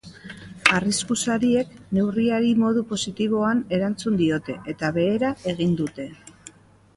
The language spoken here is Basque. Arrisku sariek neurriari modu positiboan erantzun diote, eta behera egin dute.